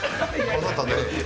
あなたね。